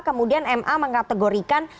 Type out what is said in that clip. kemudian ma mengkategorikan